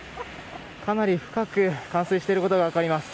かなり深く冠水していることが分かります。